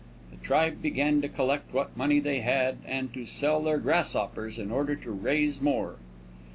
The tribe began to collect what money they had and to sell their grasshoppers in order to raise more.